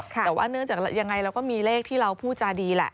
แต่ว่าเนื่องจากยังไงเราก็มีเลขที่เราพูดจาดีแหละ